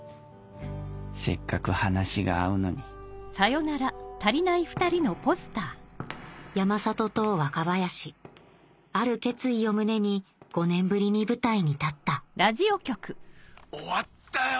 せっかく話が合うのに山里と若林ある決意を胸に５年ぶりに舞台に立った終わったよ